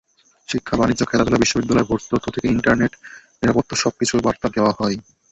শিক্ষা, বাণিজ্য, খেলাধুলা, বিশ্ববিদ্যালয়ে ভর্তি তথ্য থেকে ইন্টারনেট নিরাপত্তা—সবকিছুর বার্তা দেওয়া হয়।